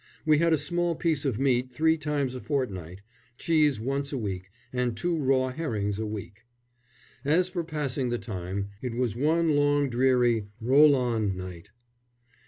We had a small piece of meat three times a fortnight, cheese once a week, and two raw herrings a week. As for passing the time, it was one long dreary "roll on, night."